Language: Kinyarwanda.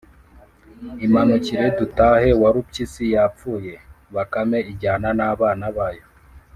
“Imanukire dutahe, Warupyisi yapfuye.” Bakame ijyana n’abana, nuko